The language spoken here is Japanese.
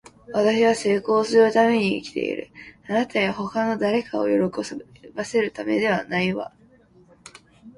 私は成功するために生きている。あなたや他の誰かを喜ばせるためではないわ。